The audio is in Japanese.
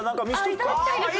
いただきたいです。